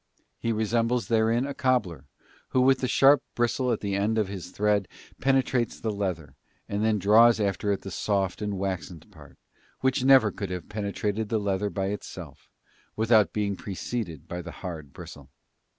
He resembles herein a cobbler, who with the sharp bristle at the end of his thread penetrates the leather, and then draws after it the soft and waxened part, which never could have penetrated the leather by itself, without being preceded by the hard bristle.